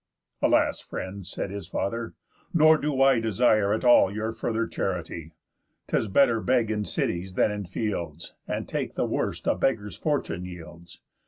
"Alas, friend," said his father, "nor do I Desire at all your further charity. 'Tis better beg in cities than in fields, And take the worst a beggar's fortune yields.